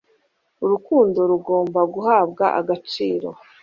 urukundo rugomba guhabwa agacira